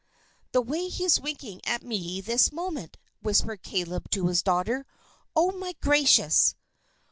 "The way he's winking at me this moment!" whispered Caleb to his daughter. "Oh, my gracious!"